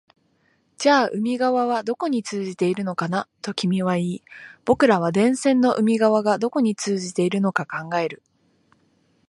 じゃあ海側はどこに通じているのかな、と君は言い、僕らは電線の海側がどこに通じているのか考える